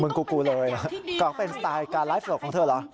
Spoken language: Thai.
กูเลยเหรอก็เป็นสไตล์การไลฟ์สดของเธอเหรอ